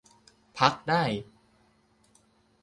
พักได้